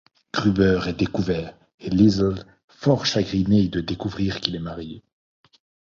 Gruber est découvert et Liesl fort chagrinée de découvrir qu'il est marié.